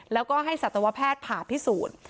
แล้วก็ให้สัตวแพทย์ผ่าพิสูจน์